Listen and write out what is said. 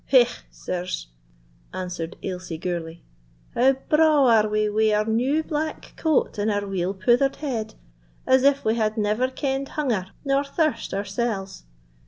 "Hegh, sirs!" answered Ailsie Gourlay; "how bra' are we wi' our new black coat and our weel pouthered head, as if we had never kenn'd hunger nor thirst oursells!